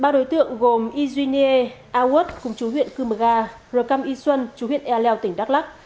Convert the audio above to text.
ba đối tượng gồm y duy nghê a quất cùng chú huyện cư mơ ga rồi căm y xuân chú huyện ea leo tỉnh đắk lắc